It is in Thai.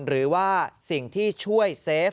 หรือว่าสิ่งที่ช่วยเซฟ